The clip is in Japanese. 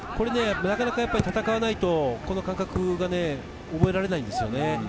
戦わないと、この感覚は覚えられないんですよね。